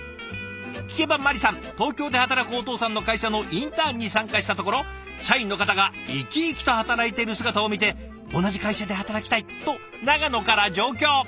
聞けばまりさん東京で働くお父さんの会社のインターンに参加したところ社員の方が生き生きと働いている姿を見て「同じ会社で働きたい！」と長野から上京。